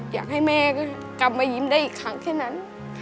อยากให้แม่กลับมายิ้มได้อีกครั้งแค่นั้น